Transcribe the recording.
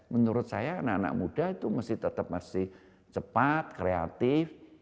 menurut saya anak anak muda itu masih tetap masih cepat kreatif